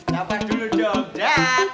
siapa dulu jogja